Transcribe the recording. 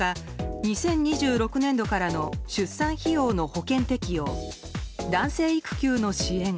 ２０２６年度からの出産費用の保険適用男性育休の支援。